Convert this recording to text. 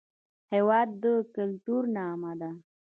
هېواد د کلتور نغمه ده.